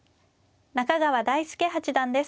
中川大輔八段です。